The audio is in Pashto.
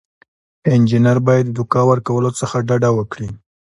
انجینر باید د دوکه ورکولو څخه ډډه وکړي.